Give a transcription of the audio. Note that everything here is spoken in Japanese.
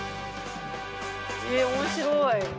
え面白い。